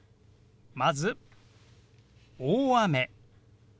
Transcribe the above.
まず「大雨」。